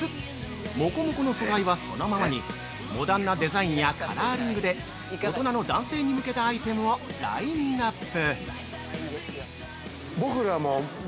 もこもこの素材はそのままにモダンなデザインやカラーリングで大人の男性に向けたアイテムをラインナップ。